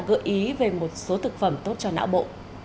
gợi ý về một số thực phẩm tốt cho não bộ